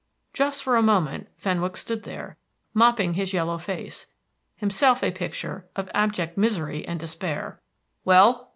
Just for a moment Fenwick stood there, mopping his yellow face, himself a picture of abject misery and despair. "Well?"